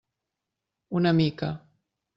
Una mica.